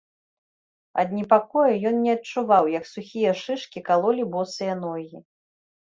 Ад непакою ён не адчуваў, як сухія шышкі калолі босыя ногі.